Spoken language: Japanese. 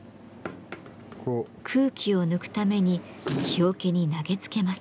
空気を抜くために木桶に投げつけます。